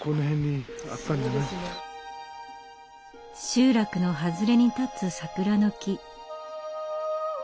集落の外れに立つ桜の木。